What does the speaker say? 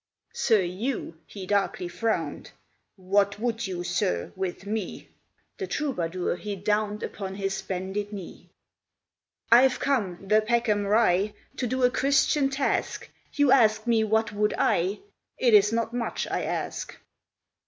SIR HUGH he darkly frowned, "What would you, sir, with me?" The troubadour he downed Upon his bended knee. "I've come, DE PECKHAM RYE, To do a Christian task, You ask me what would I? It is not much I ask.